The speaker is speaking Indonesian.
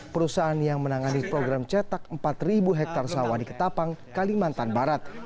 perusahaan yang menangani program cetak empat hektare sawah di ketapang kalimantan barat